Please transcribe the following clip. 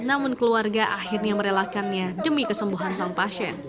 namun keluarga akhirnya merelakannya demi kesembuhan sang pasien